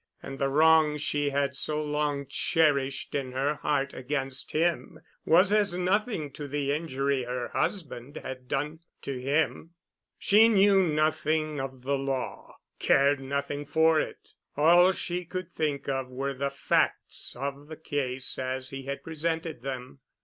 And the wrong she had so long cherished in her heart against him was as nothing to the injury her husband had done to him. She knew nothing of the law, cared nothing for it. All she could think of were the facts of the case as he had presented them.